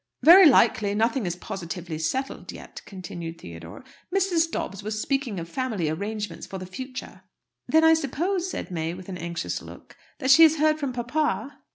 "Very likely nothing is positively settled yet," continued Theodore. "Mrs. Dobbs was speaking of family arrangements for the future." "Then I suppose," said May, with an anxious look, "that she has heard from papa?"